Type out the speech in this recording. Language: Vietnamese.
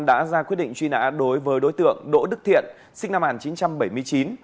đã ra quyết định truy nã đối với đối tượng đỗ đức thiện sinh năm một nghìn chín trăm bảy mươi chín